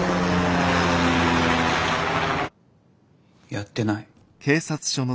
やってない。